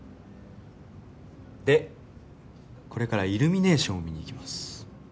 でこれからイルミネーションを見に行きます。